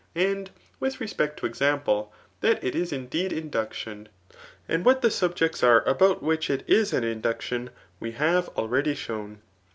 And ^th respect to example, that it is indeed induction, and what the sub* jects are about which it is an induction, we have already shown.